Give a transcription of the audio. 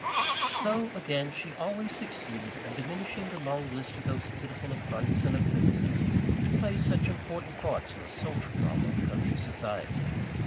So, again, she always succeeded in diminishing the long list of those pitiful affronts and offences, which play such important parts in the social drama of country society.